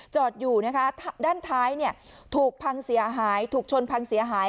จอดอยู่นะคะด้านท้ายถูกพังเสียหายถูกชนพังเสียหาย